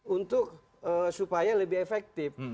untuk supaya lebih efektif